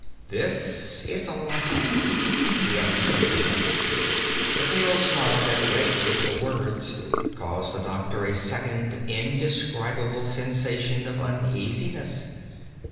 "This is all I have," the other said briefly. The pale smile that went with the words caused the doctor a second indescribable sensation of uneasiness.